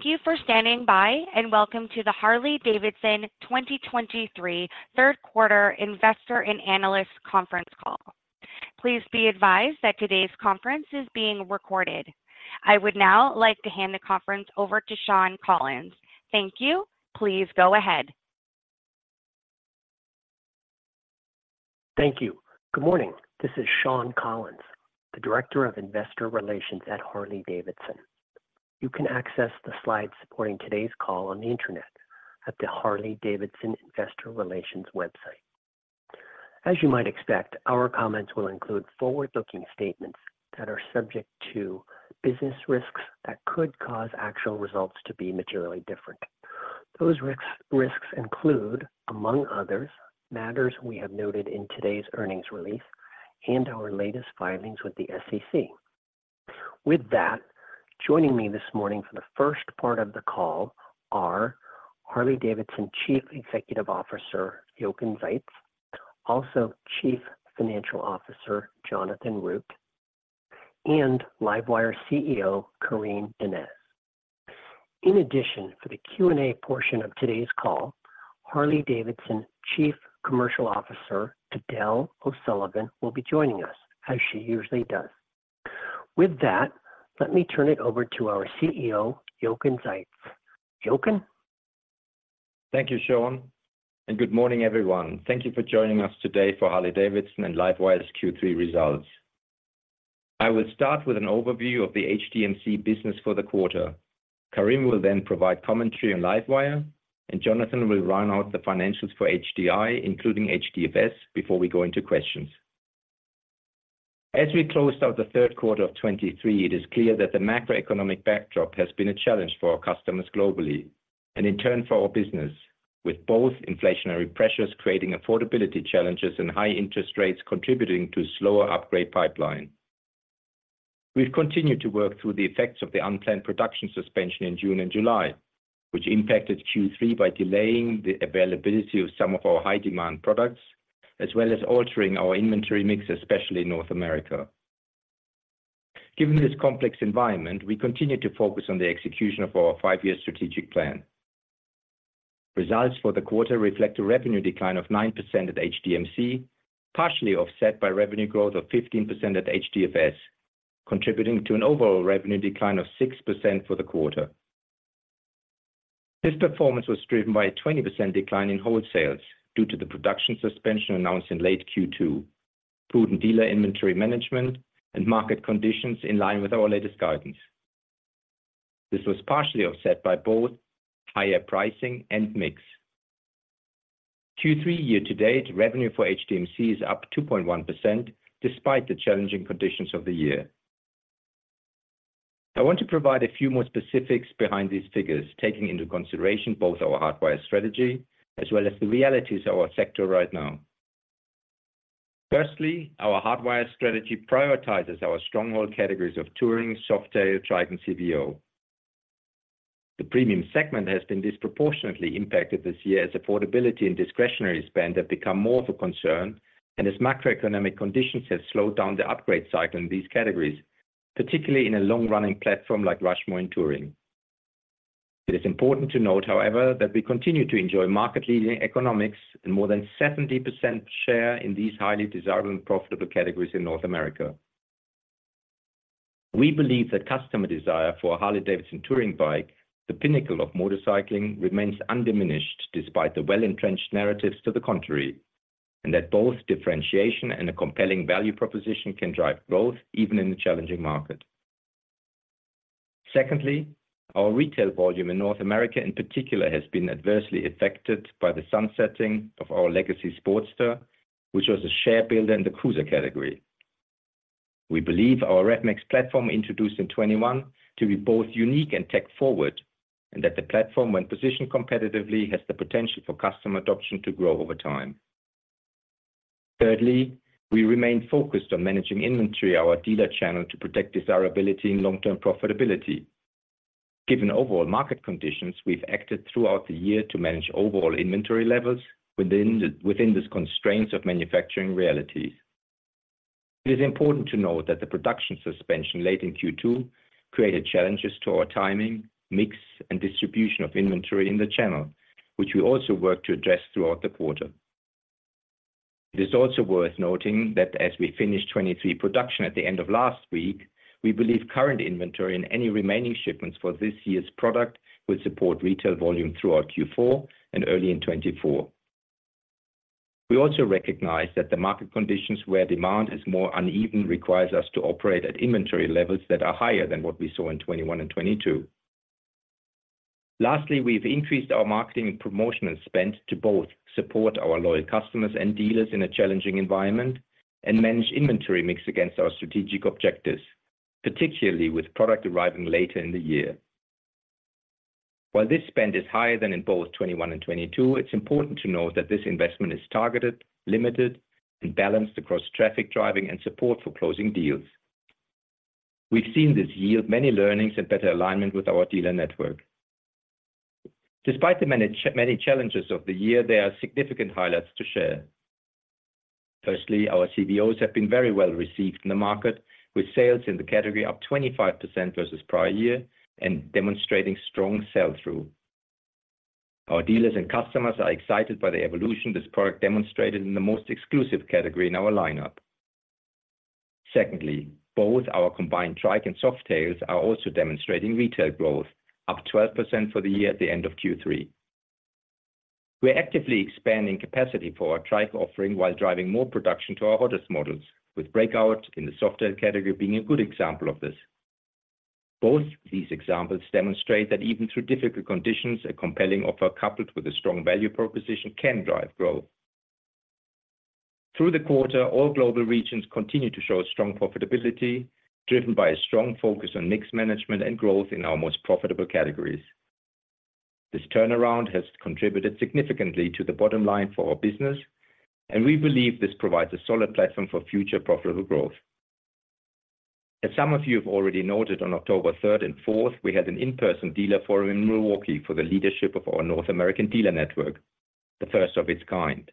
Thank you for standing by, and welcome to the Harley-Davidson 2023 Third Quarter investor and analyst conference call. Please be advised that today's conference is being recorded. I would now like to hand the conference over to Shawn Collins. Thank you. Please go ahead. Thank you. Good morning. This is Shawn Collins, the Director of Investor Relations at Harley-Davidson. You can access the slides supporting today's call on the Internet at the Harley-Davidson Investor Relations website. As you might expect, our comments will include forward-looking statements that are subject to business risks that could cause actual results to be materially different. Those risks include, among others, matters we have noted in today's earnings release and our latest filings with the SEC. With that, joining me this morning for the first part of the call are Harley-Davidson Chief Executive Officer Jochen Zeitz, also Chief Financial Officer Jonathan Root, and LiveWire CEO Karim Donnez. In addition, for the Q&A portion of today's call, Harley-Davidson Chief Commercial Officer Edel O'Sullivan will be joining us, as she usually does. With that, let me turn it over to our CEO, Jochen Zeitz. Jochen? Thank you, Shawn, and good morning, everyone. Thank you for joining us today for Harley-Davidson and LiveWire's Q3 results. I will start with an overview of the HDMC business for the quarter. Karim will then provide commentary on LiveWire, and Jonathan will run out the financials for HDI, including HDFS, before we go into questions. As we closed out the third quarter of 2023, it is clear that the macroeconomic backdrop has been a challenge for our customers globally and in turn, for our business, with both inflationary pressures creating affordability challenges and high interest rates contributing to slower upgrade pipeline. We've continued to work through the effects of the unplanned production suspension in June and July, which impacted Q3 by delaying the availability of some of our high demand products, as well as altering our inventory mix, especially in North America. Given this complex environment, we continue to focus on the execution of our 5-year strategic plan. Results for the quarter reflect a revenue decline of 9% at HDMC, partially offset by revenue growth of 15% at HDFS, contributing to an overall revenue decline of 6% for the quarter. This performance was driven by a 20% decline in wholesales due to the production suspension announced in late Q2, prudent dealer inventory management, and market conditions in line with our latest guidance. This was partially offset by both higher pricing and mix. Q3 year-to-date, revenue for HDMC is up 2.1%, despite the challenging conditions of the year. I want to provide a few more specifics behind these figures, taking into consideration both our Hardwire strategy as well as the realities of our sector right now. Firstly, our Hardwire strategy prioritizes our Stronghold Categories of Touring, Softail, Trike, and CVO. The premium segment has been disproportionately impacted this year as affordability and discretionary spend have become more of a concern and as macroeconomic conditions have slowed down the upgrade cycle in these categories, particularly in a long-running platform like Rushmore in Touring. It is important to note, however, that we continue to enjoy market-leading economics and more than 70% share in these highly desirable and profitable categories in North America. We believe that customer desire for a Harley-Davidson Touring bike, the pinnacle of motorcycling, remains undiminished, despite the well-entrenched narratives to the contrary, and that both differentiation and a compelling value proposition can drive growth even in a challenging market. Secondly, our retail volume in North America, in particular, has been adversely affected by the sunsetting of our legacy Sportster, which was a share builder in the cruiser category. We believe our RevMax platform, introduced in 2021, to be both unique and tech forward, and that the platform, when positioned competitively, has the potential for customer adoption to grow over time. Thirdly, we remain focused on managing inventory, our dealer channel, to protect desirability and long-term profitability. Given overall market conditions, we've acted throughout the year to manage overall inventory levels within the constraints of manufacturing realities. It is important to note that the production suspension late in Q2 created challenges to our timing, mix, and distribution of inventory in the channel, which we also worked to address throughout the quarter. It is also worth noting that as we finish 2023 production at the end of last week, we believe current inventory and any remaining shipments for this year's product will support retail volume throughout Q4 and early in 2024. We also recognize that the market conditions where demand is more uneven requires us to operate at inventory levels that are higher than what we saw in 2021 and 2022. Lastly, we've increased our marketing promotional spend to both support our loyal customers and dealers in a challenging environment and manage inventory mix against our strategic objectives, particularly with product arriving later in the year. While this spend is higher than in both 2021 and 2022, it's important to note that this investment is targeted, limited, and balanced across traffic driving and support for closing deals. We've seen this yield many learnings and better alignment with our dealer network. Despite the many challenges of the year, there are significant highlights to share. Firstly, our CVOs have been very well received in the market, with sales in the category up 25% versus prior year, and demonstrating strong sell-through. Our dealers and customers are excited by the evolution this product demonstrated in the most exclusive category in our lineup. Secondly, both our combined Trike and Softails are also demonstrating retail growth, up 12% for the year at the end of Q3. We're actively expanding capacity for our Trike offering while driving more production to our hottest models, with Breakout in the Softail category being a good example of this. Both these examples demonstrate that even through difficult conditions, a compelling offer coupled with a strong value proposition can drive growth. Through the quarter, all global regions continued to show strong profitability, driven by a strong focus on mix management and growth in our most profitable categories. This turnaround has contributed significantly to the bottom line for our business, and we believe this provides a solid platform for future profitable growth. As some of you have already noted, on October third and fourth, we had an in-person dealer forum in Milwaukee for the leadership of our North American dealer network, the first of its kind.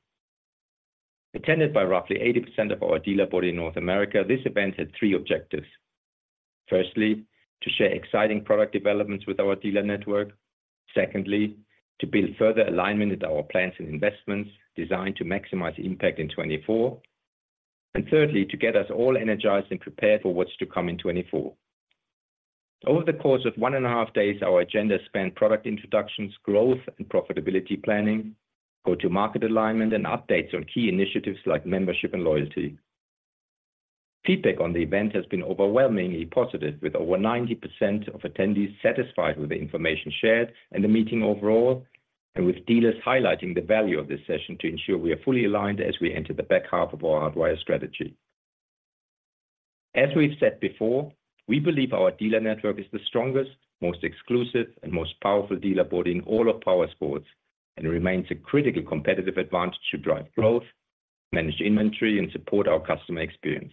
Attended by roughly 80% of our dealer body in North America, this event had three objectives: firstly, to share exciting product developments with our dealer network. Secondly, to build further alignment with our plans and investments designed to maximize impact in 2024. And thirdly, to get us all energized and prepared for what's to come in 2024. Over the course of one and a half days, our agenda spanned product introductions, growth and profitability planning, go-to-market alignment, and updates on key initiatives like membership and loyalty. Feedback on the event has been overwhelmingly positive, with over 90% of attendees satisfied with the information shared and the meeting overall, and with dealers highlighting the value of this session to ensure we are fully aligned as we enter the back half of our Hardwire strategy. As we've said before, we believe our dealer network is the strongest, most exclusive and most powerful dealer body in all of powersports, and remains a critical competitive advantage to drive growth, manage inventory, and support our customer experience.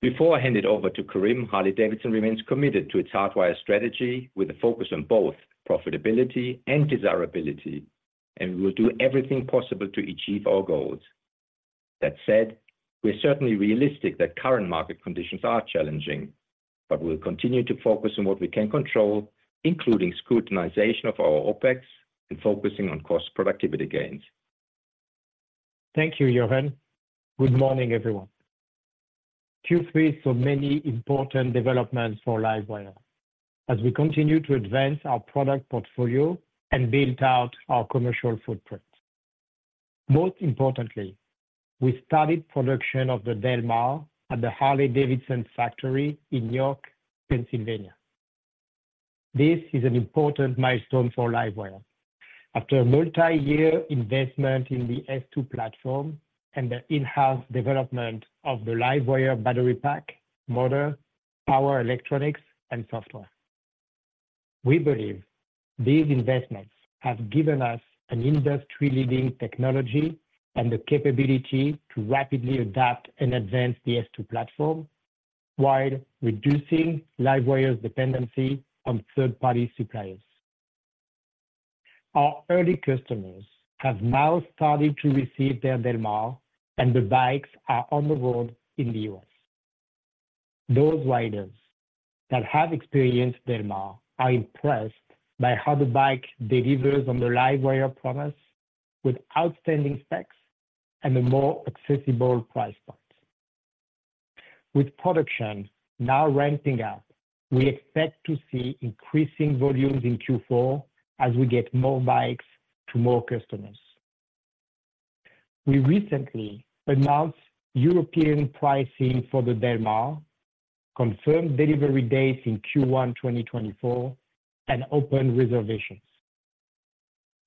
Before I hand it over to Karim, Harley-Davidson remains committed to its Hardwire strategy, with a focus on both profitability and desirability, and we will do everything possible to achieve our goals. That said, we're certainly realistic that current market conditions are challenging, but we'll continue to focus on what we can control, including scrutinization of our OpEx and focusing on cost productivity gains. Thank you, Jochen. Good morning, everyone. Q3 saw many important developments for LiveWire as we continue to advance our product portfolio and build out our commercial footprint. Most importantly, we started production of the Del Mar at the Harley-Davidson factory in York, Pennsylvania. This is an important milestone for LiveWire. After a multi-year investment in the S2 platform and the in-house development of the LiveWire battery pack, motor, power, electronics, and software, we believe these investments have given us an industry-leading technology and the capability to rapidly adapt and advance the S2 platform, while reducing LiveWire's dependency on third-party suppliers. Our early customers have now started to receive their Del Mar, and the bikes are on the road in the U.S. Those riders that have experienced Del Mar are impressed by how the bike delivers on the LiveWire promise, with outstanding specs and a more accessible price point. With production now ramping up, we expect to see increasing volumes in Q4 as we get more bikes to more customers. We recently announced European pricing for the Del Mar, confirmed delivery dates in Q1, 2024, and opened reservations.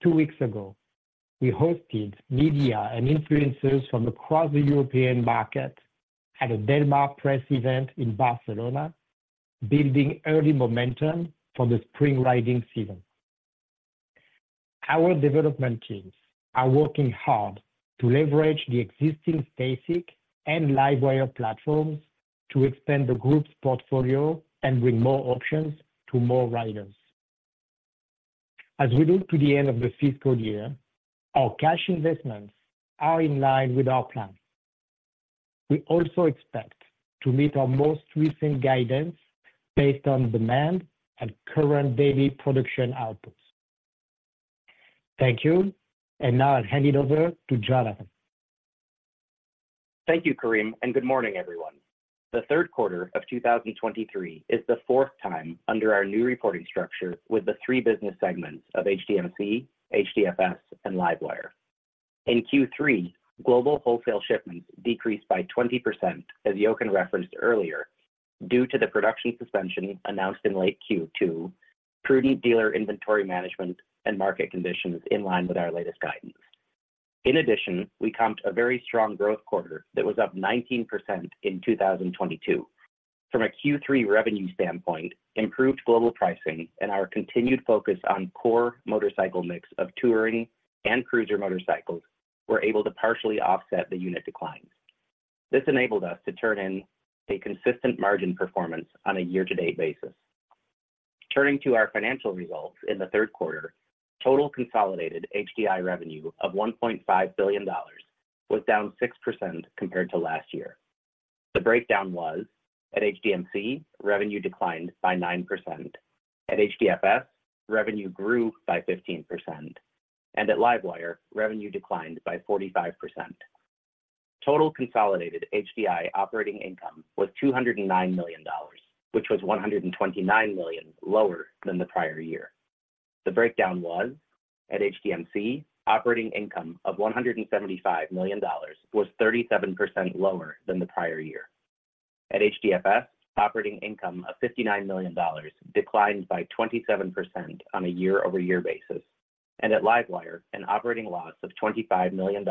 Two weeks ago, we hosted media and influencers from across the European market at a Del Mar press event in Barcelona, building early momentum for the spring riding season. Our development teams are working hard to leverage the existing STACYC and LiveWire platforms to expand the group's portfolio and bring more options to more riders. As we look to the end of the fiscal year, our cash investments are in line with our plan. We also expect to meet our most recent guidance based on demand and current daily production outputs. Thank you, and now I'll hand it over to Jonathan. Thank you, Karim, and good morning, everyone. The third quarter of 2023 is the fourth time under our new reporting structure with the three business segments of HDMC, HDFS, and LiveWire. In Q3, global wholesale shipments decreased by 20%, as Jochen referenced earlier, due to the production suspension announced in late Q2, prudent dealer inventory management and market conditions in line with our latest guidance. In addition, we comped a very strong growth quarter that was up 19% in 2022. From a Q3 revenue standpoint, improved global pricing and our continued focus on core motorcycle mix of touring and cruiser motorcycles were able to partially offset the unit declines. This enabled us to turn in a consistent margin performance on a year-to-date basis.... Turning to our financial results in the third quarter, total consolidated HDI revenue of $1.5 billion was down 6% compared to last year. The breakdown was: at HDMC, revenue declined by 9%. At HDFS, revenue grew by 15%. At LiveWire, revenue declined by 45%. Total consolidated HDI operating income was $209 million, which was $129 million lower than the prior year. The breakdown was: at HDMC, operating income of $175 million was 37% lower than the prior year. At HDFS, operating income of $59 million declined by 27% on a year-over-year basis. At LiveWire, an operating loss of $25 million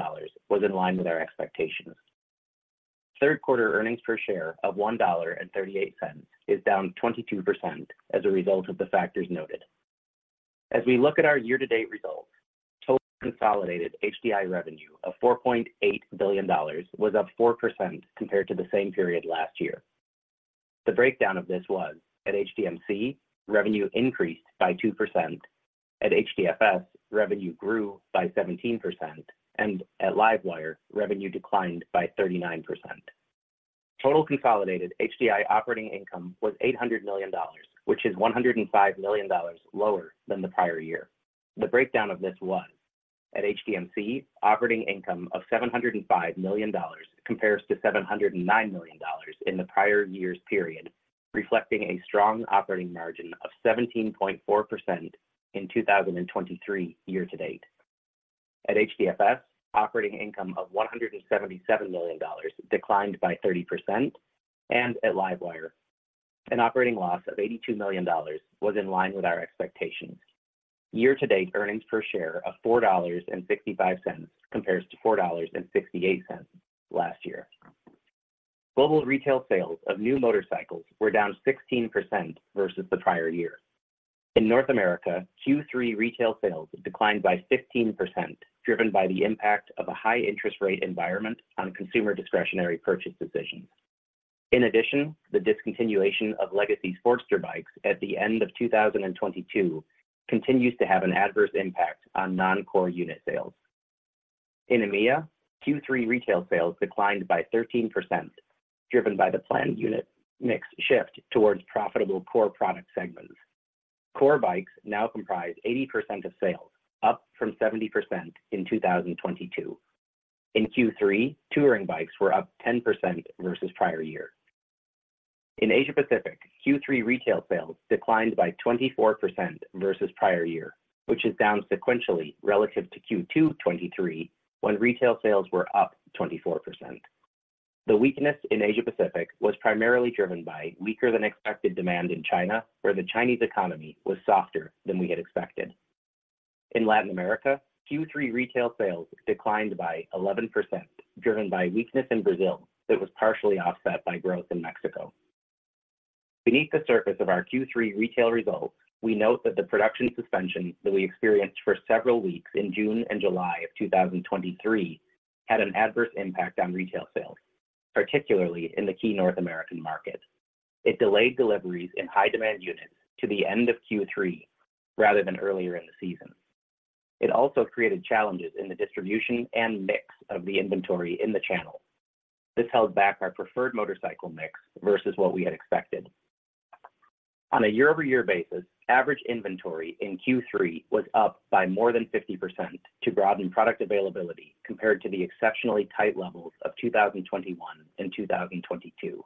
was in line with our expectations. Third quarter earnings per share of $1.38 is down 22% as a result of the factors noted. As we look at our year-to-date results, total consolidated HDI revenue of $4.8 billion was up 4% compared to the same period last year. The breakdown of this was: at HDMC, revenue increased by 2%. At HDFS, revenue grew by 17%. And at LiveWire, revenue declined by 39%. Total consolidated HDI operating income was $800 million, which is $105 million lower than the prior year. The breakdown of this was: at HDMC, operating income of $705 million compares to $709 million in the prior year's period, reflecting a strong operating margin of 17.4% in 2023 year to date. At HDFS, operating income of $177 million declined by 30%, and at LiveWire, an operating loss of $82 million was in line with our expectations. Year-to-date earnings per share of $4.65 compares to $4.68 last year. Global retail sales of new motorcycles were down 16% versus the prior year. In North America, Q3 retail sales declined by 15%, driven by the impact of a high interest rate environment on consumer discretionary purchase decisions. In addition, the discontinuation of legacy Sportster bikes at the end of 2022 continues to have an adverse impact on non-core unit sales. In EMEA, Q3 retail sales declined by 13%, driven by the planned unit mix shift towards profitable core product segments. Core bikes now comprise 80% of sales, up from 70% in 2022. In Q3, touring bikes were up 10% versus prior year. In Asia Pacific, Q3 retail sales declined by 24% versus prior year, which is down sequentially relative to Q2 2023, when retail sales were up 24%. The weakness in Asia Pacific was primarily driven by weaker than expected demand in China, where the Chinese economy was softer than we had expected. In Latin America, Q3 retail sales declined by 11%, driven by weakness in Brazil that was partially offset by growth in Mexico. Beneath the surface of our Q3 retail results, we note that the production suspension that we experienced for several weeks in June and July of 2023, had an adverse impact on retail sales, particularly in the key North American market. It delayed deliveries in high demand units to the end of Q3, rather than earlier in the season. It also created challenges in the distribution and mix of the inventory in the channel. This held back our preferred motorcycle mix versus what we had expected. On a year-over-year basis, average inventory in Q3 was up by more than 50% to broaden product availability, compared to the exceptionally tight levels of 2021 and 2022.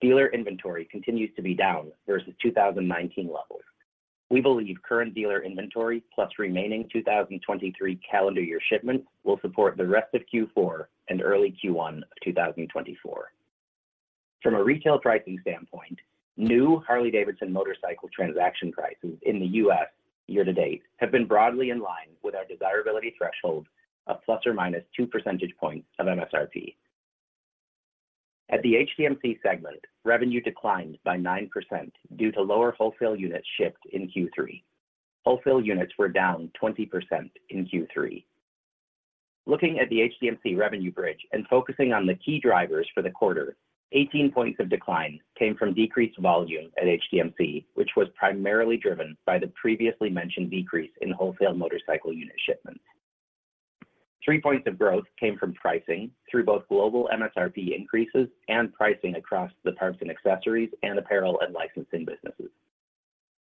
Dealer inventory continues to be down versus 2019 levels. We believe current dealer inventory, plus remaining 2023 calendar year shipments, will support the rest of Q4 and early Q1 of 2024. From a retail pricing standpoint, new Harley-Davidson motorcycle transaction prices in the U.S. year to date have been broadly in line with our desirability threshold of plus or minus two percentage points of MSRP. At the HDMC segment, revenue declined by 9% due to lower wholesale units shipped in Q3. Wholesale units were down 20% in Q3. Looking at the HDMC revenue bridge and focusing on the key drivers for the quarter, 18 points of decline came from decreased volume at HDMC, which was primarily driven by the previously mentioned decrease in wholesale motorcycle unit shipments. Three points of growth came from pricing through both global MSRP increases and pricing across the parts and accessories, and apparel and licensing businesses.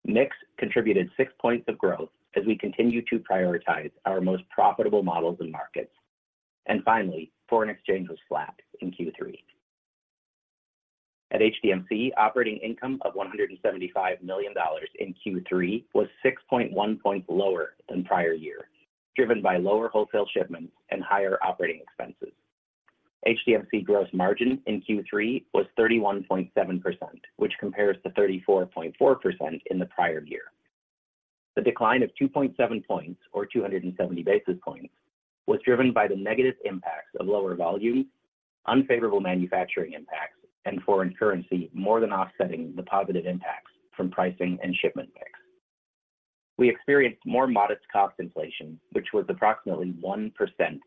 Mix contributed six points of growth as we continue to prioritize our most profitable models and markets. And finally, foreign exchange was flat in Q3. At HDMC, operating income of $175 million in Q3 was 6.1 points lower than prior year, driven by lower wholesale shipments and higher operating expenses. HDMC gross margin in Q3 was 31.7%, which compares to 34.4% in the prior year. The decline of 2.7 points or 270 basis points was driven by the negative impacts of lower volume, unfavorable manufacturing impacts, and foreign currency, more than offsetting the positive impacts from pricing and shipments.... We experienced more modest cost inflation, which was approximately 1%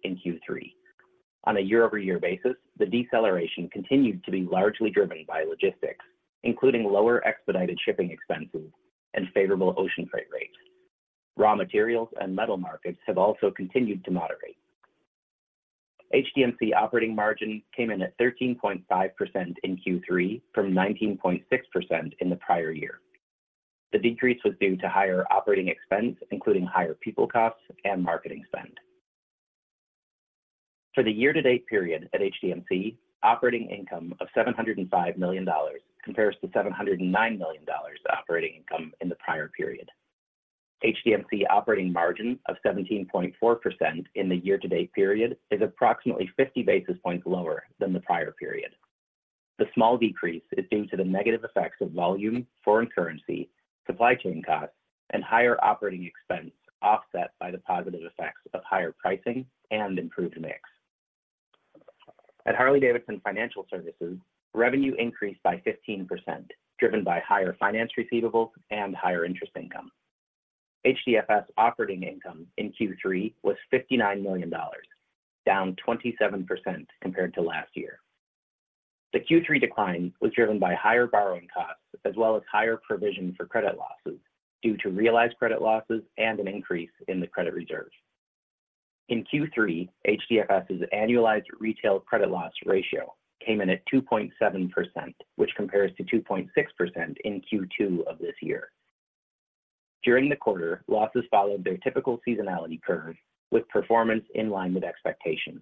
in Q3. On a year-over-year basis, the deceleration continued to be largely driven by logistics, including lower expedited shipping expenses and favorable ocean freight rates. Raw materials and metal markets have also continued to moderate. HDMC operating margin came in at 13.5% in Q3, from 19.6% in the prior year. The decrease was due to higher operating expense, including higher people costs and marketing spend. For the year-to-date period at HDMC, operating income of $705 million compares to $709 million operating income in the prior period. HDMC operating margin of 17.4% in the year-to-date period is approximately 50 basis points lower than the prior period. The small decrease is due to the negative effects of volume, foreign currency, supply chain costs, and higher operating expense, offset by the positive effects of higher pricing and improved mix. At Harley-Davidson Financial Services, revenue increased by 15%, driven by higher finance receivables and higher interest income. HDFS operating income in Q3 was $59 million, down 27% compared to last year. The Q3 decline was driven by higher borrowing costs, as well as higher provision for credit losses, due to realized credit losses and an increase in the credit reserve. In Q3, HDFS's annualized retail credit loss ratio came in at 2.7%, which compares to 2.6% in Q2 of this year. During the quarter, losses followed their typical seasonality curve, with performance in line with expectations.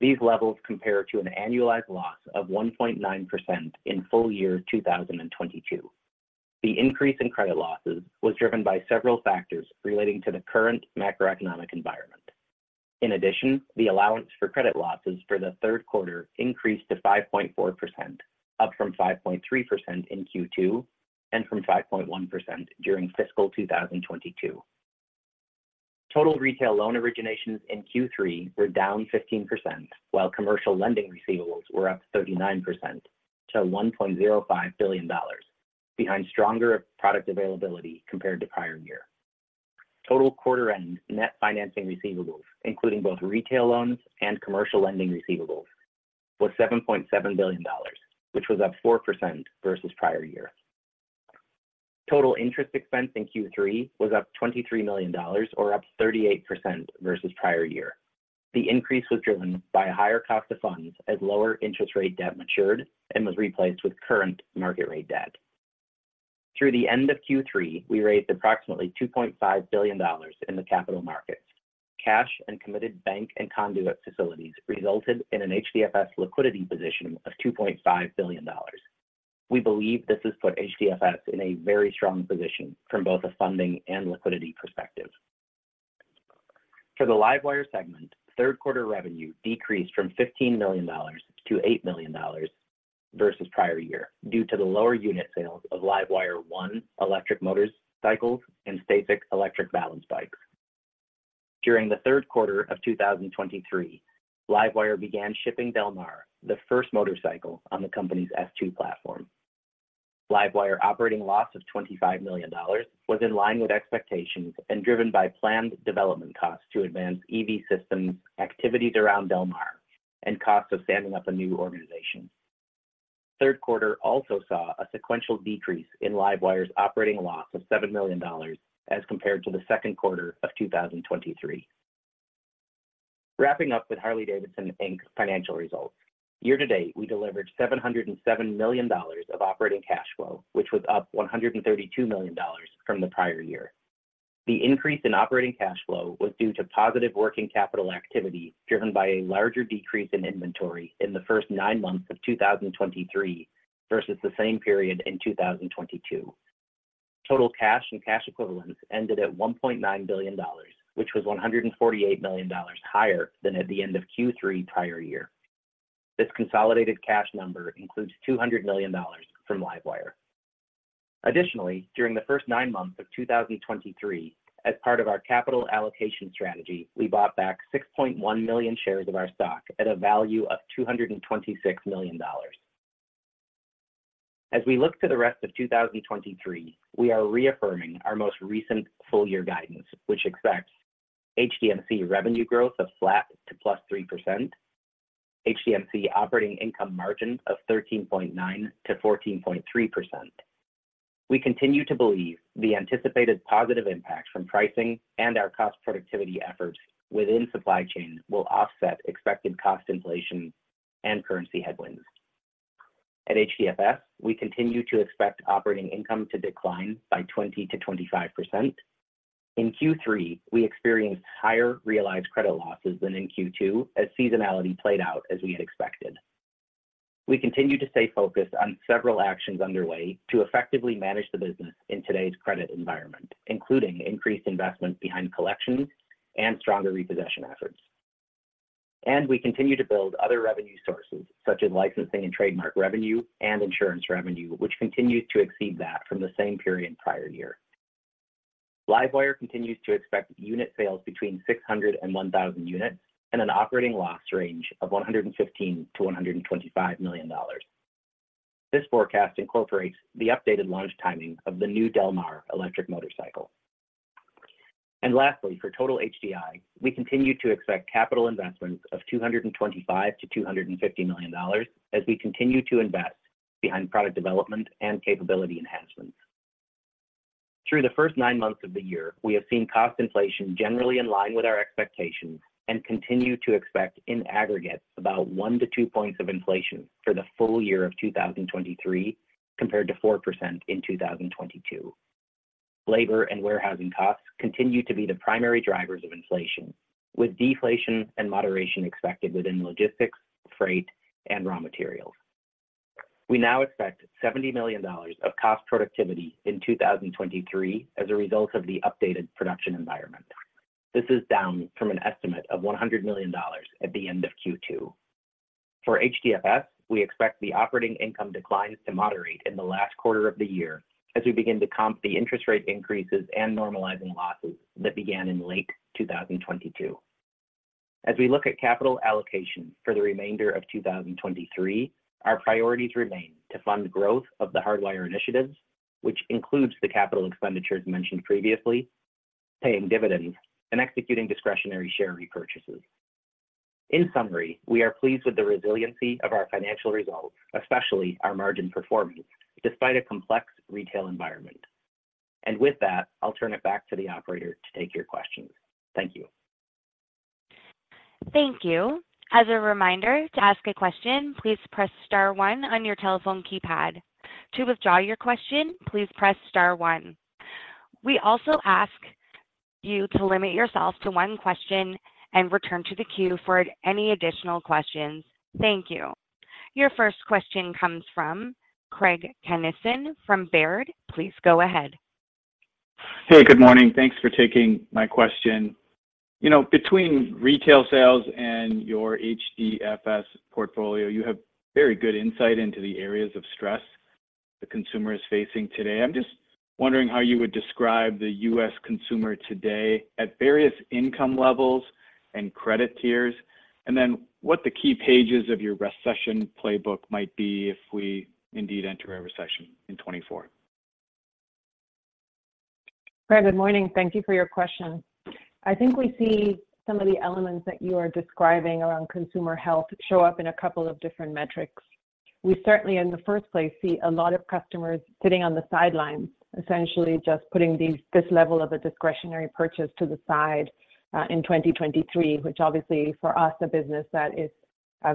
These levels compare to an annualized loss of 1.9% in full year 2022. The increase in credit losses was driven by several factors relating to the current macroeconomic environment. In addition, the allowance for credit losses for the third quarter increased to 5.4%, up from 5.3% in Q2, and from 5.1% during fiscal 2022. Total retail loan originations in Q3 were down 15%, while commercial lending receivables were up 39% to $1.05 billion, behind stronger product availability compared to prior year. Total quarter-end net financing receivables, including both retail loans and commercial lending receivables, was $7.7 billion, which was up 4% versus prior year. Total interest expense in Q3 was up $23 million or up 38% versus prior year. The increase was driven by a higher cost of funds, as lower interest rate debt matured and was replaced with current market rate debt. Through the end of Q3, we raised approximately $2.5 billion in the capital markets. Cash and committed bank and conduit facilities resulted in an HDFS liquidity position of $2.5 billion. We believe this has put HDFS in a very strong position from both a funding and liquidity perspective. For the LiveWire segment, third quarter revenue decreased from $15 million to $8 million versus prior year, due to the lower unit sales of LiveWire One electric motorcycles and STACYC electric balance bikes. During the third quarter of 2023, LiveWire began shipping Del Mar, the first motorcycle on the company's S2 platform. LiveWire operating loss of $25 million was in line with expectations and driven by planned development costs to advance EV systems, activities around Del Mar, and costs of standing up a new organization. Third quarter also saw a sequential decrease in LiveWire's operating loss of $7 million as compared to the second quarter of 2023. Wrapping up with Harley-Davidson, Inc.'s financial results, year to date, we delivered $707 million of operating cash flow, which was up $132 million from the prior year. The increase in operating cash flow was due to positive working capital activity, driven by a larger decrease in inventory in the first nine months of 2023, versus the same period in 2022. Total cash and cash equivalents ended at $1.9 billion, which was $148 million higher than at the end of Q3 prior year. This consolidated cash number includes $200 million from LiveWire. Additionally, during the first 9 months of 2023, as part of our capital allocation strategy, we bought back 6.1 million shares of our stock at a value of $226 million. As we look to the rest of 2023, we are reaffirming our most recent full-year guidance, which expects HDMC revenue growth of flat to +3%, HDMC operating income margin of 13.9%-14.3%. We continue to believe the anticipated positive impact from pricing and our cost productivity efforts within supply chain will offset expected cost inflation and currency headwinds. At HDFS, we continue to expect operating income to decline by 20%-25%. In Q3, we experienced higher realized credit losses than in Q2, as seasonality played out as we had expected. We continue to stay focused on several actions underway to effectively manage the business in today's credit environment, including increased investment behind collections and stronger repossession efforts. We continue to build other revenue sources, such as licensing and trademark revenue and insurance revenue, which continues to exceed that from the same period prior year. LiveWire continues to expect unit sales between 600 and 1,000 units, and an operating loss range of $115 million-$125 million. This forecast incorporates the updated launch timing of the new Del Mar electric motorcycle. Lastly, for total HDI, we continue to expect capital investments of $225 million-$250 million as we continue to invest behind product development and capability enhancements. Through the first 9 months of the year, we have seen cost inflation generally in line with our expectations, and continue to expect in aggregate, about 1-2 points of inflation for the full year of 2023, compared to 4% in 2022. Labor and warehousing costs continue to be the primary drivers of inflation, with deflation and moderation expected within logistics, freight, and raw materials. We now expect $70 million of cost productivity in 2023 as a result of the updated production environment. This is down from an estimate of $100 million at the end of Q2. For HDFS, we expect the operating income declines to moderate in the last quarter of the year as we begin to comp the interest rate increases and normalizing losses that began in late 2022. As we look at capital allocation for the remainder of 2023, our priorities remain to fund growth of the Hardwire initiatives, which includes the capital expenditures mentioned previously, paying dividends and executing discretionary share repurchases. In summary, we are pleased with the resiliency of our financial results, especially our margin performance, despite a complex retail environment. And with that, I'll turn it back to the operator to take your questions. Thank you. Thank you. As a reminder, to ask a question, please press star one on your telephone keypad. To withdraw your question, please press star one. We also ask you to limit yourself to one question and return to the queue for any additional questions. Thank you. Your first question comes from Craig Kennison from Baird. Please go ahead. Hey, good morning. Thanks for taking my question. You know, between retail sales and your HDFS portfolio, you have very good insight into the areas of stress the consumer is facing today. I'm just wondering how you would describe the U.S. consumer today at various income levels and credit tiers, and then what the key pages of your recession playbook might be if we indeed enter a recession in 2024. Craig, good morning. Thank you for your question. I think we see some of the elements that you are describing around consumer health show up in a couple of different metrics. We certainly, in the first place, see a lot of customers sitting on the sidelines, essentially just putting this level of a discretionary purchase to the side, in 2023, which obviously for us, a business that is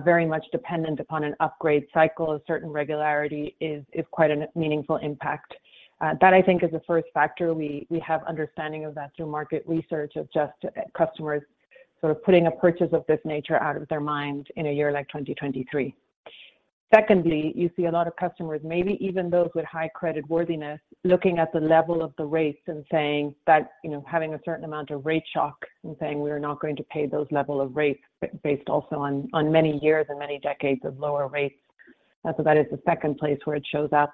very much dependent upon an upgrade cycle, a certain regularity is quite a meaningful impact. That I think is the first factor. We have understanding of that through market research of just customers sort of putting a purchase of this nature out of their mind in a year like 2023. Secondly, you see a lot of customers, maybe even those with high credit worthiness, looking at the level of the rates and saying that, you know, having a certain amount of rate shock and saying, "We are not going to pay those level of rates," based also on, on many years and many decades of lower rates. So that is the second place where it shows up.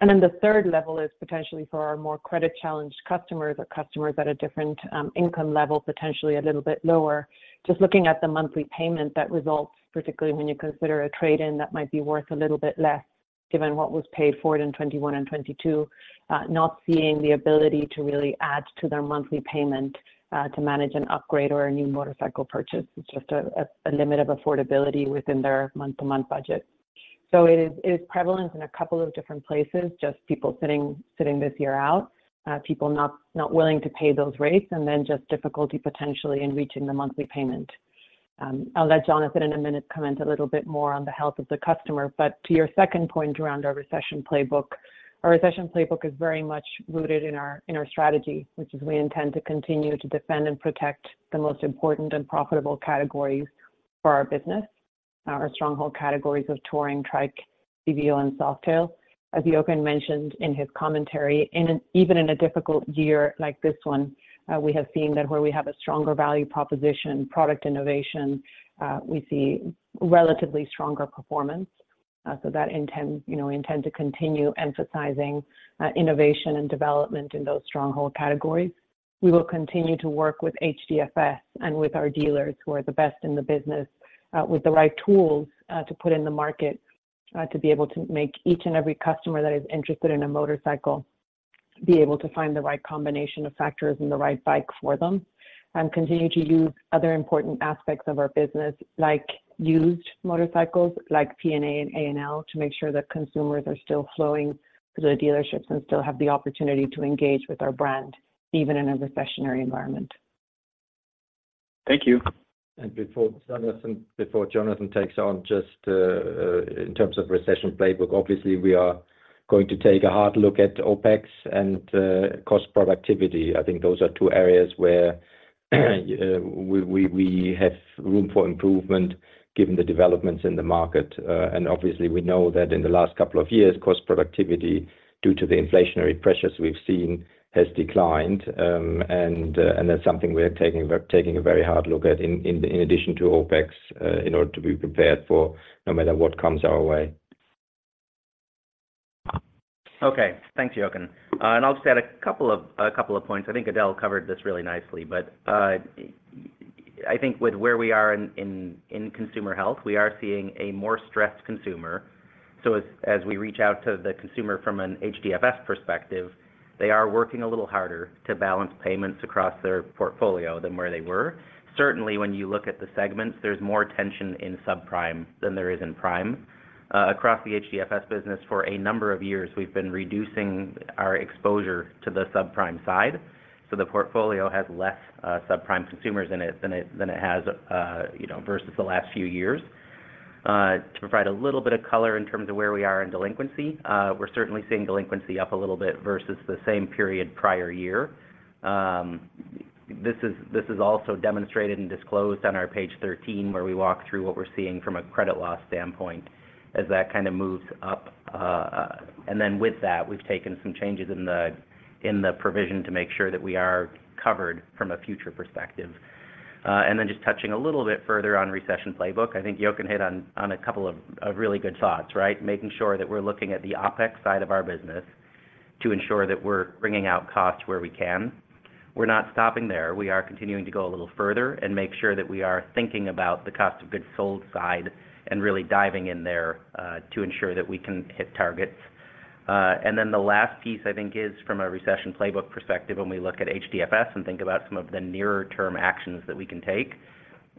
And then the third level is potentially for our more credit-challenged customers or customers at a different, income level, potentially a little bit lower. Just looking at the monthly payment, that results, particularly when you consider a trade-in, that might be worth a little bit less given what was paid for it in 2021 and 2022, not seeing the ability to really add to their monthly payment, to manage an upgrade or a new motorcycle purchase. It's just a limit of affordability within their month-to-month budget. So it is prevalent in a couple of different places, just people sitting this year out, people not willing to pay those rates, and then just difficulty potentially in reaching the monthly payment. I'll let Jonathan in a minute comment a little bit more on the health of the customer, but to your second point around our recession playbook, our recession playbook is very much rooted in our strategy, which is we intend to continue to defend and protect the most important and profitable categories for our business. Our stronghold categories of Touring, Trike, CVO, and Softail. As Jochen mentioned in his commentary, even in a difficult year like this one, we have seen that where we have a stronger value proposition, product innovation, we see relatively stronger performance. So that intent, you know, we intend to continue emphasizing innovation and development in those Stronghold Categories. We will continue to work with HDFS and with our dealers, who are the best in the business, with the right tools to put in the market to be able to make each and every customer that is interested in a motorcycle be able to find the right combination of factors and the right bike for them. Continue to use other important aspects of our business, like used motorcycles, like P&A and apparel, to make sure that consumers are still flowing to the dealerships and still have the opportunity to engage with our brand, even in a recessionary environment. Thank you. Before Jonathan, before Jonathan takes on, just in terms of recession playbook, obviously, we are going to take a hard look at OpEx and cost productivity. I think those are two areas where we have room for improvement given the developments in the market. And that's something we are taking a very hard look at in addition to OpEx in order to be prepared for no matter what comes our way.... Okay, thanks, Jochen. And I'll just add a couple of, a couple of points. I think Edel covered this really nicely, but, I think with where we are in consumer health, we are seeing a more stressed consumer. So as we reach out to the consumer from an HDFS perspective, they are working a little harder to balance payments across their portfolio than where they were. Certainly, when you look at the segments, there's more tension in subprime than there is in prime. Across the HDFS business, for a number of years, we've been reducing our exposure to the subprime side, so the portfolio has less subprime consumers in it than it has, you know, versus the last few years. To provide a little bit of color in terms of where we are in delinquency, we're certainly seeing delinquency up a little bit versus the same period prior year. This is also demonstrated and disclosed on our page 13, where we walk through what we're seeing from a credit loss standpoint as that kind of moves up. And then with that, we've taken some changes in the provision to make sure that we are covered from a future perspective. And then just touching a little bit further on recession playbook, I think Jochen hit on a couple of really good thoughts, right? Making sure that we're looking at the OpEx side of our business to ensure that we're wringing out costs where we can. We're not stopping there. We are continuing to go a little further and make sure that we are thinking about the cost of goods sold side and really diving in there, to ensure that we can hit targets. And then the last piece, I think, is from a recession playbook perspective, when we look at HDFS and think about some of the nearer-term actions that we can take.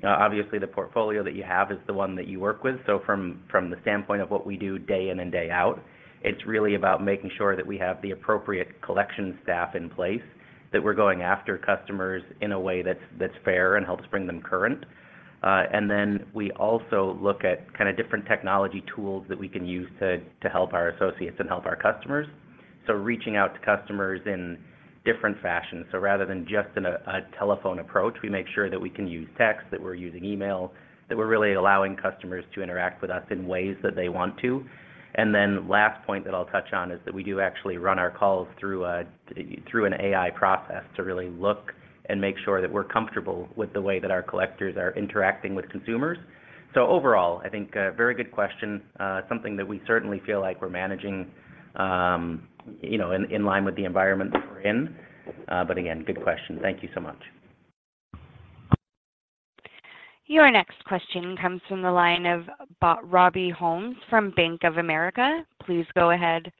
Obviously, the portfolio that you have is the one that you work with. So from, from the standpoint of what we do day in and day out, it's really about making sure that we have the appropriate collection staff in place, that we're going after customers in a way that's, that's fair and helps bring them current. And then we also look at kind of different technology tools that we can use to help our associates and help our customers, so reaching out to customers in different fashions. So rather than just in a telephone approach, we make sure that we can use text, that we're using email, that we're really allowing customers to interact with us in ways that they want to. And then last point that I'll touch on is that we do actually run our calls through an AI process to really look and make sure that we're comfortable with the way that our collectors are interacting with consumers. So overall, I think a very good question, something that we certainly feel like we're managing, you know, in line with the environment that we're in. But again, good question. Thank you so much. Your next question comes from the line of Robbie Ohmes from Bank of America. Please go ahead.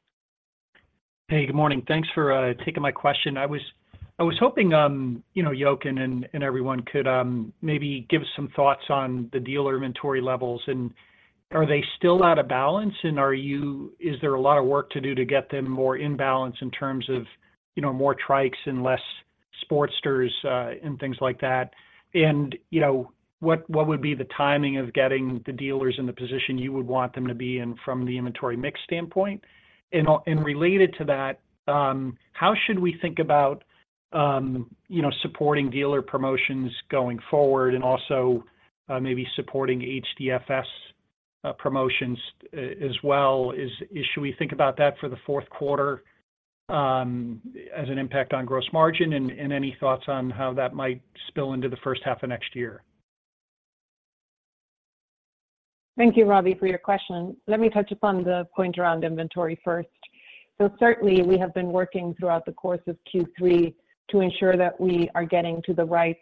Hey, good morning. Thanks for taking my question. I was hoping, you know, Jochen and everyone could maybe give some thoughts on the dealer inventory levels, and are they still out of balance? And is there a lot of work to do to get them more in balance in terms of, you know, more trikes and less Sportsters and things like that? And you know, what would be the timing of getting the dealers in the position you would want them to be in from the inventory mix standpoint? And related to that, how should we think about, you know, supporting dealer promotions going forward and also maybe supporting HDFS promotions as well? Should we think about that for the fourth quarter as an impact on gross margin? Any thoughts on how that might spill into the first half of next year? Thank you, Robbie, for your question. Let me touch upon the point around inventory first. So certainly, we have been working throughout the course of Q3 to ensure that we are getting to the right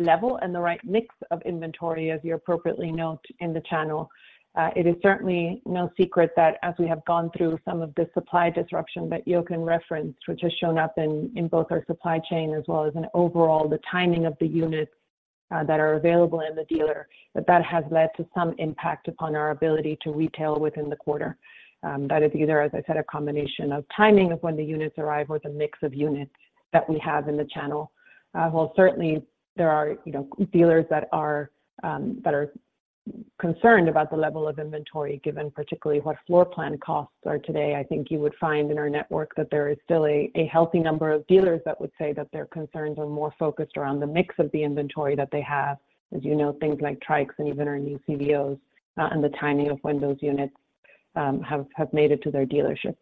level and the right mix of inventory, as you appropriately note in the channel. It is certainly no secret that as we have gone through some of the supply disruption that Jochen referenced, which has shown up in both our supply chain as well as in overall the timing of the units that are available in the dealer, that that has led to some impact upon our ability to retail within the quarter. That is either, as I said, a combination of timing of when the units arrive or the mix of units that we have in the channel. While certainly there are, you know, dealers that are that are concerned about the level of inventory, given particularly what floor plan costs are today, I think you would find in our network that there is still a healthy number of dealers that would say that their concerns are more focused around the mix of the inventory that they have. As you know, things like Trikes and even our new CVOs, and the timing of when those units have made it to their dealerships.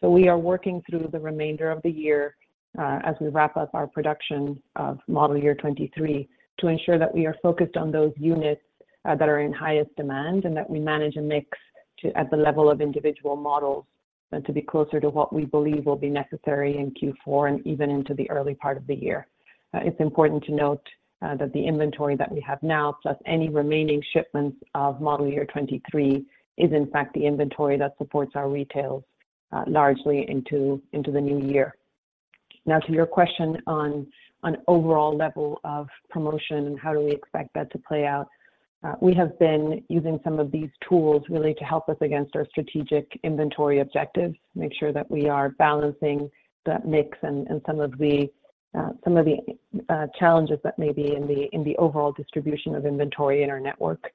So we are working through the remainder of the year, as we wrap up our production of model year 2023, to ensure that we are focused on those units, that are in highest demand, and that we manage a mix to at the level of individual models and to be closer to what we believe will be necessary in Q4 and even into the early part of the year. It's important to note, that the inventory that we have now, plus any remaining shipments of model year 2023, is in fact the inventory that supports our retails, largely into, into the new year. Now, to your question on overall level of promotion and how do we expect that to play out, we have been using some of these tools really to help us against our strategic inventory objectives, make sure that we are balancing that mix and some of the challenges that may be in the overall distribution of inventory in our network.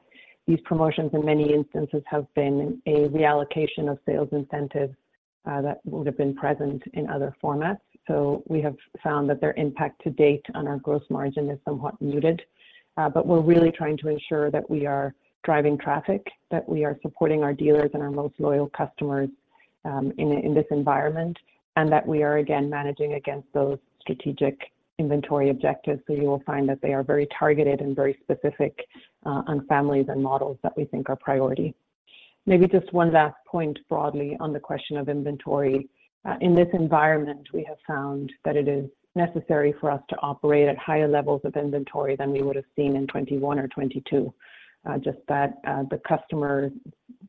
These promotions, in many instances, have been a reallocation of sales incentives that would have been present in other formats. So we have found that their impact to date on our Gross Margin is somewhat muted, but we're really trying to ensure that we are driving traffic, that we are supporting our dealers and our most loyal customers in this environment, and that we are, again, managing against those strategic inventory objectives. So you will find that they are very targeted and very specific, on families and models that we think are priority. Maybe just one last point broadly on the question of inventory. In this environment, we have found that it is necessary for us to operate at higher levels of inventory than we would have seen in 2021 or 2022. Just that, the customer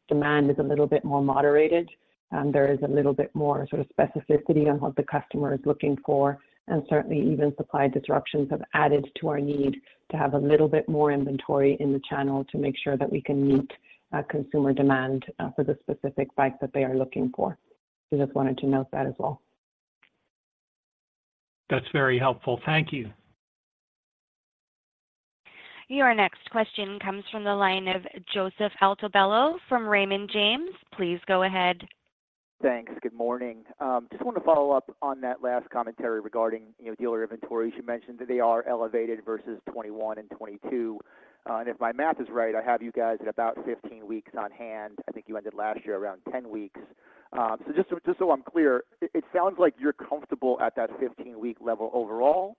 demand is a little bit more moderated, and there is a little bit more sort of specificity on what the customer is looking for, and certainly even supply disruptions have added to our need to have a little bit more inventory in the channel to make sure that we can meet, consumer demand, for the specific bike that they are looking for. So just wanted to note that as well. That's very helpful. Thank you. Your next question comes from the line of Joseph Altobello from Raymond James. Please go ahead. Thanks. Good morning. Just want to follow up on that last commentary regarding, you know, dealer inventory. You mentioned that they are elevated versus 2021 and 2022. And if my math is right, I have you guys at about 15 weeks on hand. I think you ended last year around 10 weeks. So just, just so I'm clear, it, it sounds like you're comfortable at that 15-week level overall,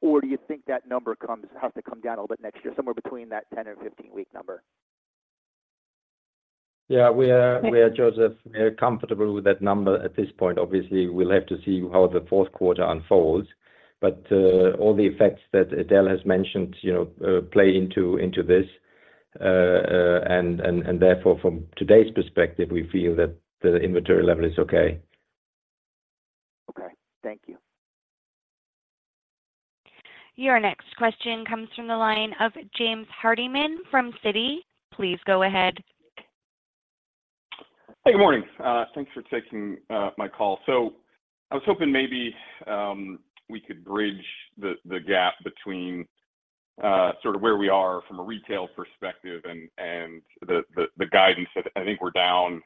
or do you think that number comes, has to come down a little bit next year, somewhere between that 10 and 15 week number? Yeah, we are, Joseph, we are comfortable with that number at this point. Obviously, we'll have to see how the fourth quarter unfolds, but all the effects that Edel has mentioned, you know, play into this. And therefore, from today's perspective, we feel that the inventory level is okay. Okay. Thank you. Your next question comes from the line of James Hardiman from Citi. Please go ahead. Hey, good morning. Thanks for taking my call. So I was hoping maybe we could bridge the gap between sort of where we are from a retail perspective and the guidance that I think we're down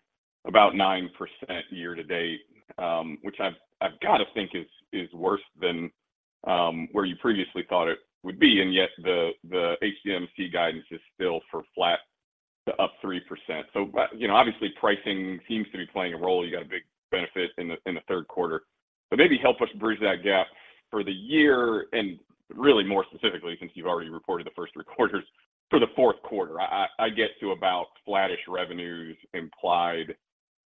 about 9% year to date, which I've got to think is worse than where you previously thought it would be, and yet the HDMC guidance is still for flat to up 3%. So, but you know, obviously, pricing seems to be playing a role. You got a big benefit in the third quarter. But maybe help us bridge that gap for the year and really more specifically, since you've already reported the first three quarters, for the fourth quarter. I get to about flattish revenues implied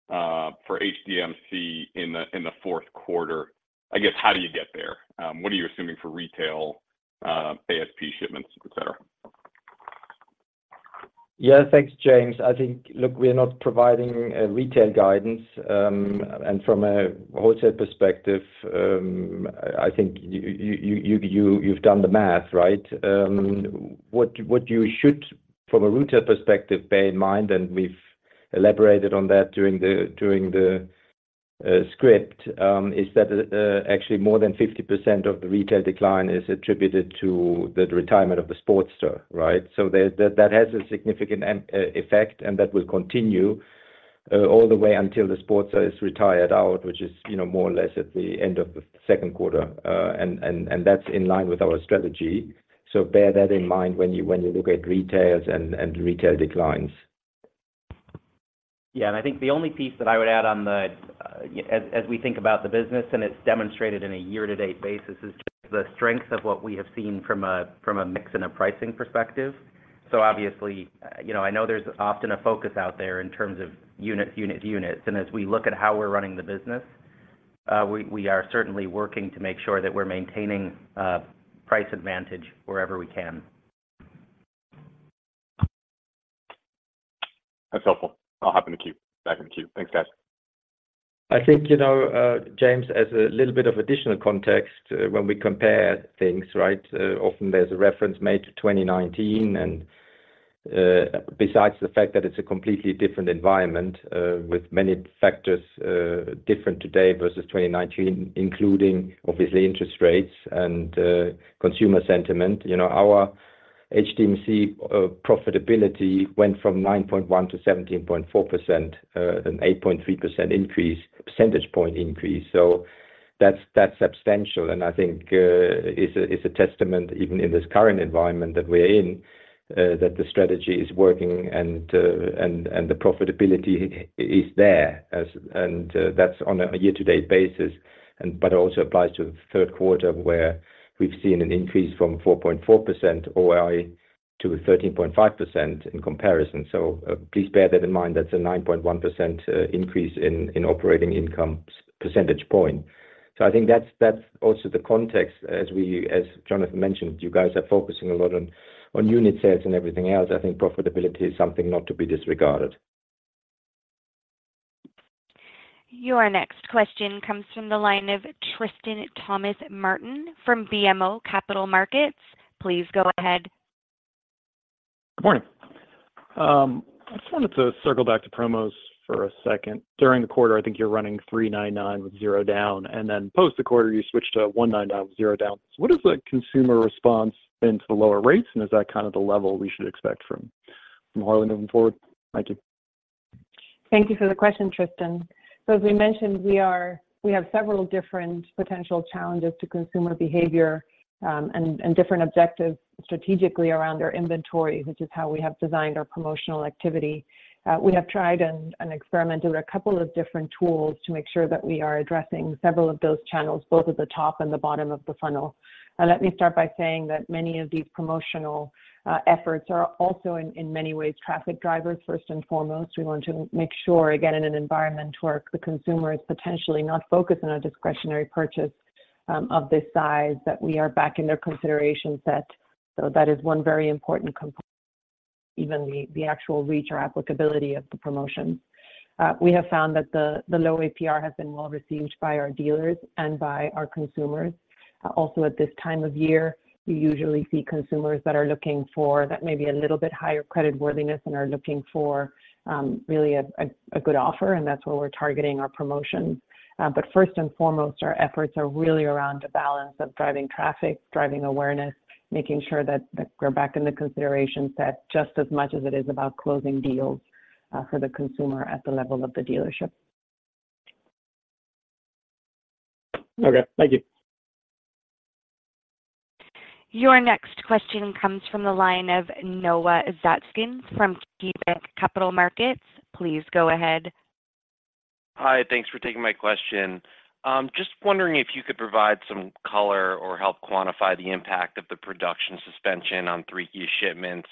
for HDMC in the fourth quarter. I guess, how do you get there? What are you assuming for retail, ASP shipments, et cetera? Yeah. Thanks, James. I think, look, we're not providing a retail guidance, and from a wholesale perspective, I think you, you've done the math, right? What you should, from a retail perspective, bear in mind, and we've elaborated on that during the script, is that actually more than 50% of the retail decline is attributed to the retirement of the Sportster, right? So that has a significant effect, and that will continue all the way until the Sportster is retired out, which is, you know, more or less at the end of the second quarter, and that's in line with our strategy. So bear that in mind when you look at retails and retail declines. Yeah, and I think the only piece that I would add on the as we think about the business, and it's demonstrated in a year to date basis, is just the strength of what we have seen from a mix and a pricing perspective. So obviously, you know, I know there's often a focus out there in terms of units, units, units, and as we look at how we're running the business, we are certainly working to make sure that we're maintaining a price advantage wherever we can. That's helpful. I'll hop in the queue, back in the queue. Thanks, guys. I think, you know, James, as a little bit of additional context, when we compare things, right, often there's a reference made to 2019, and, besides the fact that it's a completely different environment, with many factors, different today versus 2019, including obviously, interest rates and, consumer sentiment, you know, our HDMC, profitability went from 9.1% to 17.4%, an 8.3 percentage point increase. So that's, that's substantial, and I think, it's a, it's a testament, even in this current environment that we're in, that the strategy is working and, and, and the profitability is there. And that's on a year-to-date basis, but it also applies to the third quarter, where we've seen an increase from 4.4% OI to 13.5% in comparison. So, please bear that in mind. That's a 9.1 percentage point increase in operating income. So I think that's also the context as Jonathan mentioned, you guys are focusing a lot on unit sales and everything else. I think profitability is something not to be disregarded. Your next question comes from the line of Tristan Thomas-Martin from BMO Capital Markets. Please go ahead. Good morning. I just wanted to circle back to promos for a second. During the quarter, I think you're running 3.99% with zero down, and then post the quarter, you switch to 1.9% with zero down. So what is the consumer response then to the lower rates, and is that kind of the level we should expect from, from Harley moving forward? Thank you. Thank you for the question, Tristan. So as we mentioned, we are. We have several different potential challenges to consumer behavior, and, and different objectives strategically around our inventory, which is how we have designed our promotional activity. We have tried and, and experimented with a couple of different tools to make sure that we are addressing several of those channels, both at the top and the bottom of the funnel. Let me start by saying that many of these promotional efforts are also in many ways traffic drivers. First and foremost, we want to make sure, again, in an environment where the consumer is potentially not focused on a discretionary purchase of this size, that we are back in their consideration set. So that is one very important component... even the actual reach or applicability of the promotion. We have found that the low APR has been well received by our dealers and by our consumers. Also at this time of year, we usually see consumers that are looking for that maybe a little bit higher creditworthiness and are looking for really a good offer, and that's where we're targeting our promotions. But first and foremost, our efforts are really around a balance of driving traffic, driving awareness, making sure that we're back in the consideration set, just as much as it is about closing deals for the consumer at the level of the dealership. Okay, thank you. Your next question comes from the line of Noah Zatzkin from KeyBanc Capital Markets. Please go ahead. Hi, thanks for taking my question. Just wondering if you could provide some color or help quantify the impact of the production suspension on 3Q shipments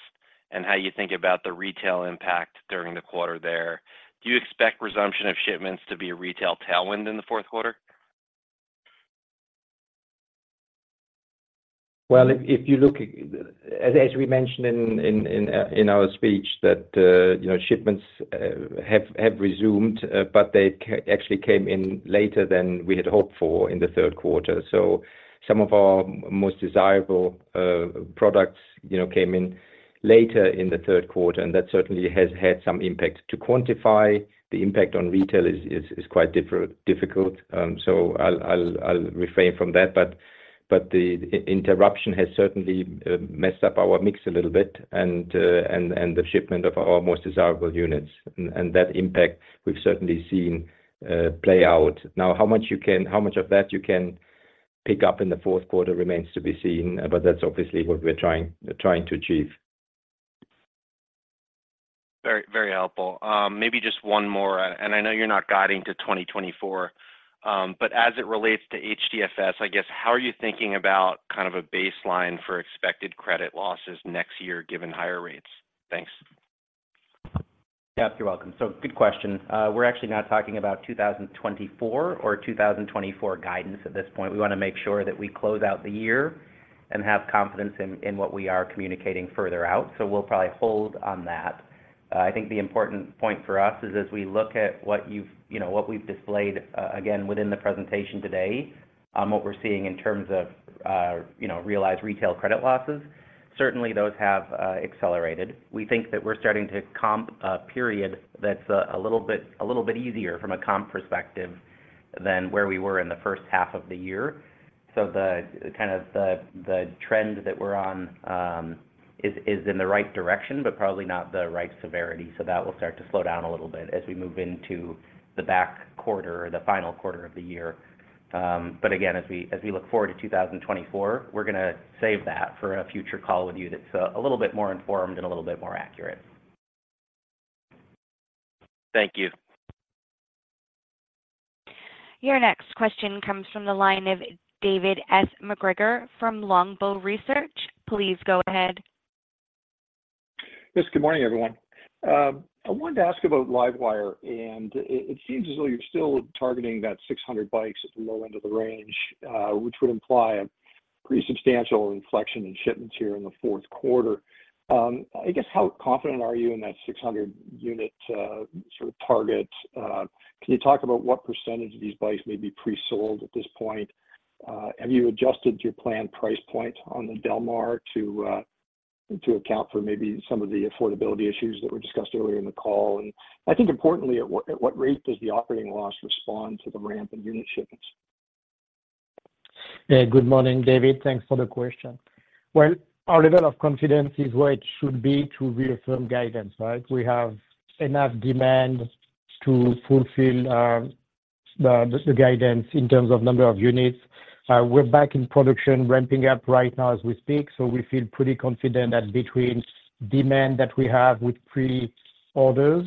and how you think about the retail impact during the quarter there? Do you expect resumption of shipments to be a retail tailwind in the fourth quarter? Well, if you look at, as we mentioned in our speech, that you know, shipments have resumed, but they actually came in later than we had hoped for in the third quarter. So some of our most desirable products you know came in later in the third quarter, and that certainly has had some impact. To quantify the impact on retail is quite difficult, so I'll refrain from that. But the interruption has certainly messed up our mix a little bit and the shipment of our most desirable units. And that impact we've certainly seen play out. Now, how much of that you can pick up in the fourth quarter remains to be seen, but that's obviously what we're trying to achieve. Very, very helpful. Maybe just one more, and I know you're not guiding to 2024. But as it relates to HDFS, I guess, how are you thinking about kind of a baseline for expected credit losses next year, given higher rates? Thanks. Yeah, you're welcome. So good question. We're actually not talking about 2024 or 2024 guidance at this point. We wanna make sure that we close out the year and have confidence in what we are communicating further out. So we'll probably hold on that. I think the important point for us is, as we look at what we've displayed, again, within the presentation today, what we're seeing in terms of, you know, realized retail credit losses, certainly those have accelerated. We think that we're starting to comp a period that's a little bit easier from a comp perspective than where we were in the first half of the year. The kind of trend that we're on is in the right direction, but probably not the right severity. So that will start to slow down a little bit as we move into the back quarter or the final quarter of the year. But again, as we look forward to 2024, we're gonna save that for a future call with you that's a little bit more informed and a little bit more accurate. Thank you. Your next question comes from the line of David S. MacGregor from Longbow Research. Please go ahead. Yes, good morning, everyone. I wanted to ask about LiveWire, and it seems as though you're still targeting that 600 bikes at the low end of the range, which would imply a pretty substantial inflection in shipments here in the fourth quarter. I guess, how confident are you in that 600 unit, sort of target? Can you talk about what percentage of these bikes may be pre-sold at this point? Have you adjusted your planned price point on the Del Mar to account for maybe some of the affordability issues that were discussed earlier in the call? And I think importantly, at what rate does the operating loss respond to the ramp in unit shipments? Good morning, David. Thanks for the question. Well, our level of confidence is where it should be to reaffirm guidance, right? We have enough demand to fulfill the guidance in terms of number of units. We're back in production, ramping up right now as we speak, so we feel pretty confident that between demand that we have with pre-orders,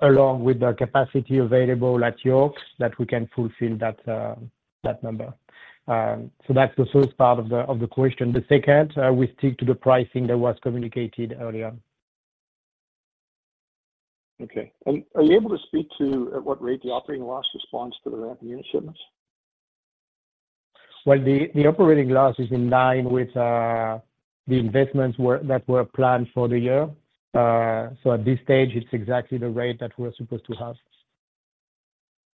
along with the capacity available at York, that we can fulfill that number. So that's the first part of the question. The second, we stick to the pricing that was communicated earlier. Okay. Are you able to speak to at what rate the operating loss responds to the ramp in unit shipments? Well, the operating loss is in line with the investments that were planned for the year. So at this stage, it's exactly the rate that we're supposed to have.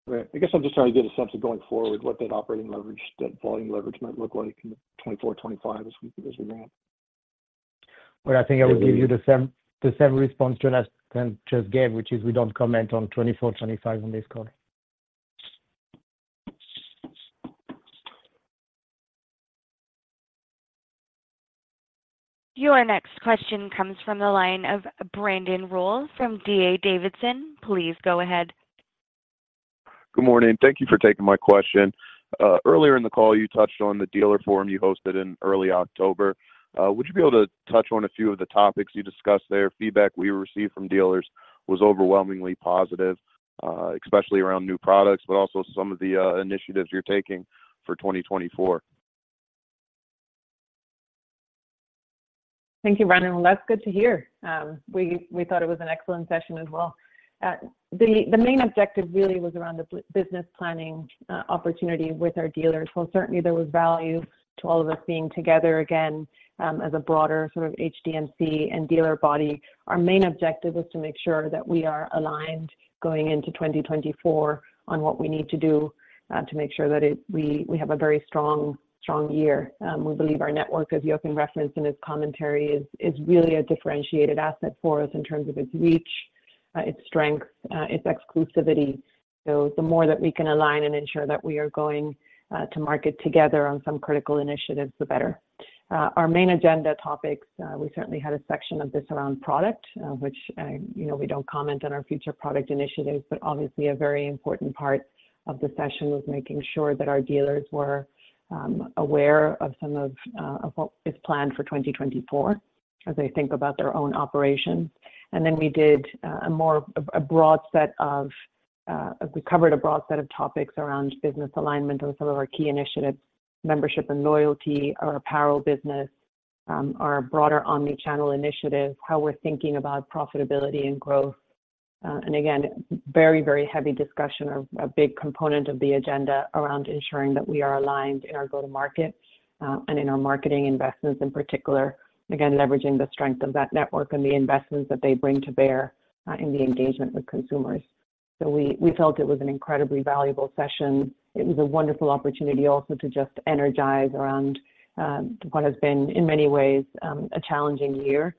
Great. I guess I'm just trying to get a sense of going forward, what that operating leverage, that volume leverage might look like in 2024, 2025 as we, as we ramp? Well, I think I will give you the same, the same response Jonathan just gave, which is we don't comment on 2024, 2025 on this call. Your next question comes from the line of Brandon Rolle from D.A. Davidson. Please go ahead. Good morning. Thank you for taking my question. Earlier in the call, you touched on the dealer forum you hosted in early October. Would you be able to touch on a few of the topics you discussed there? Feedback we received from dealers was overwhelmingly positive, especially around new products, but also some of the initiatives you're taking for 2024. Thank you, Brandon. Well, that's good to hear. We thought it was an excellent session as well. The main objective really was around the business planning opportunity with our dealers. While certainly there was value to all of us being together again, as a broader sort of HDMC and dealer body, our main objective was to make sure that we are aligned going into 2024 on what we need to do, to make sure that we, we have a very strong, strong year. We believe our network, as Jochen referenced in his commentary, is, is really a differentiated asset for us in terms of its reach, its strength, its exclusivity. So the more that we can align and ensure that we are going, to market together on some critical initiatives, the better. Our main agenda topics, we certainly had a section of this around product, which, you know, we don't comment on our future product initiatives, but obviously a very important part of the session was making sure that our dealers were aware of some of what is planned for 2024 as they think about their own operations. And then we did a broad set of—we covered a broad set of topics around business alignment on some of our key initiatives, membership and loyalty, our apparel business, our broader omni-channel initiatives, how we're thinking about profitability and growth. And again, very, very heavy discussion of a big component of the agenda around ensuring that we are aligned in our go-to-market and in our marketing investments in particular. Again, leveraging the strength of that network and the investments that they bring to bear in the engagement with consumers. So we felt it was an incredibly valuable session. It was a wonderful opportunity also to just energize around what has been, in many ways, a challenging year.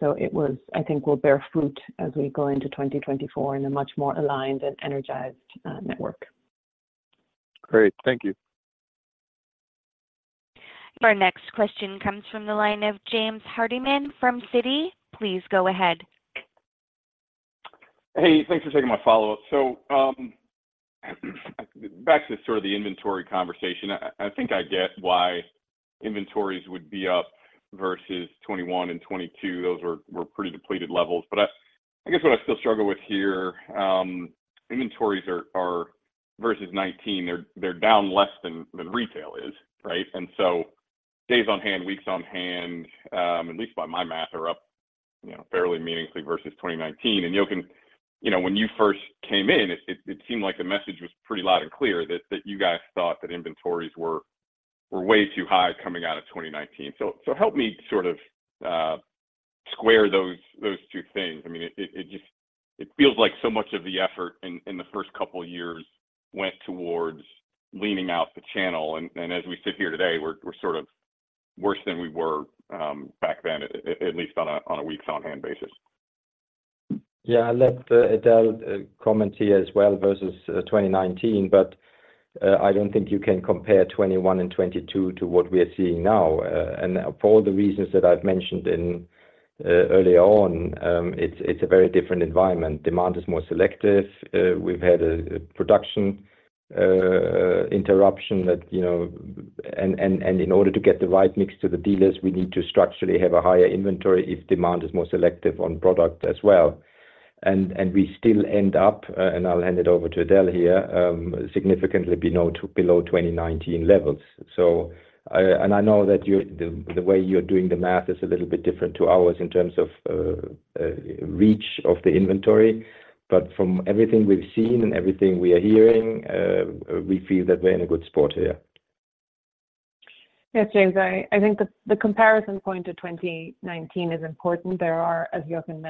So it was... I think will bear fruit as we go into 2024 in a much more aligned and energized network. Great. Thank you. Our next question comes from the line of James Hardiman from Citi. Please go ahead. Hey, thanks for taking my follow-up. So, back to sort of the inventory conversation, I think I get why inventories would be up versus 2021 and 2022. Those were pretty depleted levels. But I guess what I still struggle with here, inventories are versus 2019, they're down less than retail is, right? And so days on hand, weeks on hand, at least by my math, are up, you know, fairly meaningfully versus 2019. And Jochen, you know, when you first came in, it seemed like the message was pretty loud and clear that you guys thought that inventories were way too high coming out of 2019. So, help me sort of square those two things. I mean, it just feels like so much of the effort in the first couple of years went towards leaning out the channel. And as we sit here today, we're sort of worse than we were back then, at least on a weeks on hand basis. Yeah. I'll let Edel comment here as well versus 2019, but I don't think you can compare 2021 and 2022 to what we are seeing now. And for all the reasons that I've mentioned earlier on, it's a very different environment. Demand is more selective. We've had a production interruption that, you know. And in order to get the right mix to the dealers, we need to structurally have a higher inventory if demand is more selective on product as well. And we still end up - and I'll hand it over to Edel here, significantly below 2019 levels. So, I know that you're the way you're doing the math is a little bit different to ours in terms of reach of the inventory, but from everything we've seen and everything we are hearing, we feel that we're in a good spot here. Yes, James, I think the comparison point to 2019 is important. There are, as Jochen